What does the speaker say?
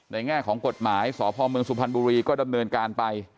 แง่ของกฎหมายสพเมืองสุพรรณบุรีก็ดำเนินการไป